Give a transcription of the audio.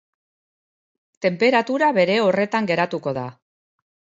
Tenperatura bere horretan geratuko da.